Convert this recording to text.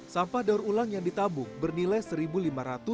sampah daur ulang yang ditabung bernilai rp satu lima ratus